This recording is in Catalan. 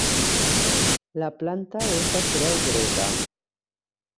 La planta és de creu grega.